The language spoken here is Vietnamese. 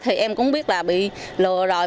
thì em cũng biết là bị lừa rồi